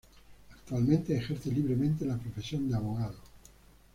Actualmente ejerce libremente la profesión de Abogado.